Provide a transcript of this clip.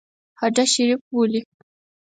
هډه شریف بولي.